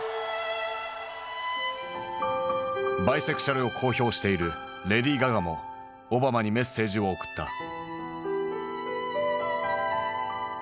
バイセクシャルを公表しているレディー・ガガもオバマにメッセージを送った。